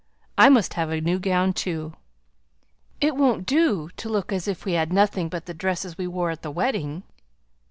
I must have a new gown too. It won't do to look as if we had nothing but the dresses which we wore at the wedding!"